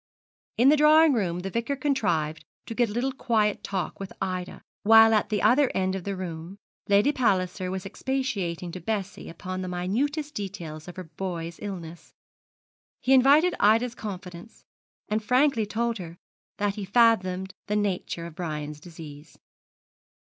In the drawing room the Vicar contrived to get a little quiet talk with Ida, while at the other end of the room Lady Palliser was expatiating to Bessie upon the minutest details of her boy's illness. He invited Ida's confidence, and frankly told her that he had fathomed the nature of Brian's disease.